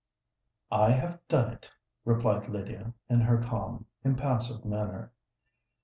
"I have done it," replied Lydia, in her calm, impassive manner.